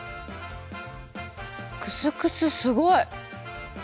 クスクスすごい！